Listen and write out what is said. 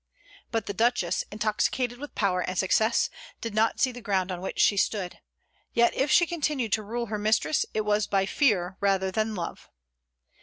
But the Duchess, intoxicated with power and success, did not see the ground on which she stood; yet if she continued to rule her mistress, it was by fear rather than love.